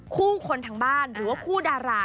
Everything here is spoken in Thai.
คู่คนทางบ้านหรือว่าคู่ดารา